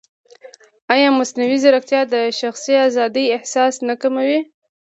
ایا مصنوعي ځیرکتیا د شخصي ازادۍ احساس نه کموي؟